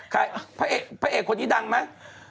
พระเอกคนนี้ดังไหม